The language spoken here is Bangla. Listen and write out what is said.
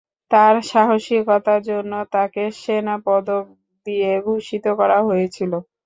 তাঁর সাহসিকতার জন্য তাঁকে সেনা পদক দিয়ে ভূষিত করা হয়েছিল।